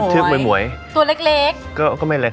ดูเหมือย